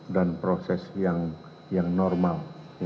dan proses yang normal